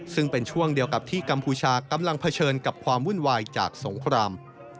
ซึ่งเป็นช่วงเดียวกับที่กัมพูชากำลังเผชิญกับความวุ่นวายจากสงคราม